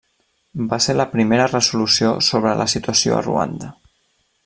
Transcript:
Va ser la primera resolució sobre la situació a Ruanda.